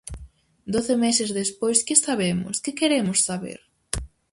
Doce meses despois, que sabemos? Que queremos saber?